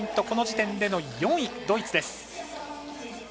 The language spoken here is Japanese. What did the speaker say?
この時点での４位、ドイツ。